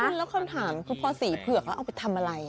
แล้วคำถามคือพอสีเผือกแล้วเอาไปทำอะไร